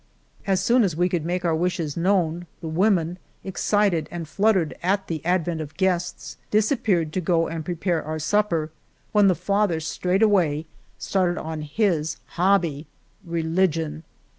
As soon as we could make our wishes known the women, excited and fluttered at the advent of guests, disappeared to go and prepare our supper, when the father straightway started on his hobby — religion.